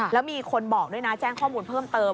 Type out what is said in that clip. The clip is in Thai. แล้วมีคนบอกด้วยนะแจ้งข้อมูลเพิ่มเติม